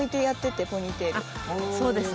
そうですね。